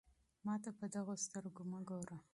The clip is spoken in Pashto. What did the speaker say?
ما ته په دغو سترګو مه ګوره.